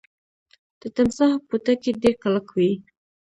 د تمساح پوټکی ډیر کلک وي